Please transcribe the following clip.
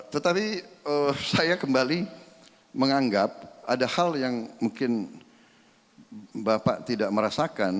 tetapi saya kembali menganggap ada hal yang mungkin bapak tidak merasakan